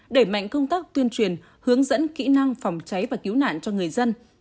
đẩy mạnh công tác tuyên truyền hướng dẫn kỹ năng phòng cháy và cứu nạn cho người dân